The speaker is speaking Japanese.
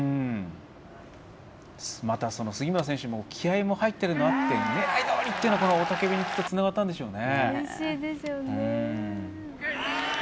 また杉村選手も気合いも入っているのもあって狙いどおりにいってこの雄たけびにつながったんでしょうね。